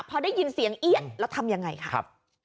พอได้ยินเสียงเอี้ยนแล้วทำยังไงค่ะครับ